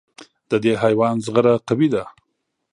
د دې حیوان زغره قوي ده.